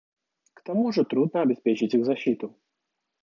К тому же трудно обеспечить их защиту.